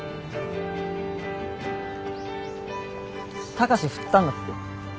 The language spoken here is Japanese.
貴志振ったんだって？